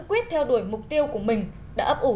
quyết theo đuổi mục tiêu của mình đã ấp ủ